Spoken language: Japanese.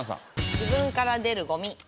自分から出るゴミを。